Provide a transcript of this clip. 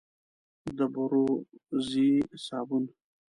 د بوروزې صابون،